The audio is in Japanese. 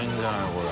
これ。